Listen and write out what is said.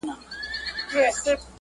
دا سوداوي دومره ډیري